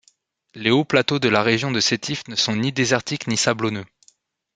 Les hauts plateaux de la région de Sétif ne sont ni désertiques ni sablonneux.